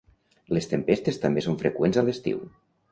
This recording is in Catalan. Les tempestes també són freqüents a l'estiu.